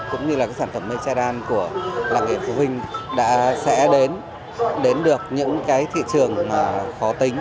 cũng như là sản phẩm mê cha đan của làng nghệ phụ huynh đã sẽ đến được những thị trường khó tính